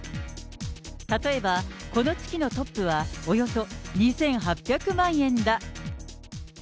例えばこの月のトップは、およそ２８００万円だ。